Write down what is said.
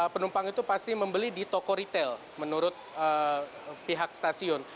penumpang itu pasti membeli di toko retail menurut pihak stasiun